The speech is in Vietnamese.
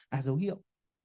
à dấu hiệu